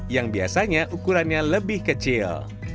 yang biasanya ukurannya lebih kecil